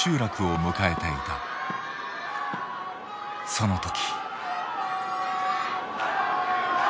その時。